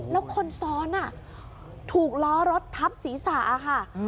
แล้วคนซ้อนถูกล้อรถทับศีรษะค่ะ